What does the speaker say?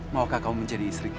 maukah kamu menjadi istriku